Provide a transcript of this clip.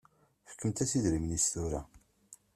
Fkemt-as idrimen-is tura.